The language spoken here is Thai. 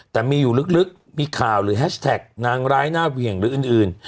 แต่มีอยู่ลึกมีข่าวหรือแฮชแท็กนางร้ายหน้าเหวี่ยงหรืออื่น